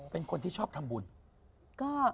เป็นคนที่ชอบทำบุญ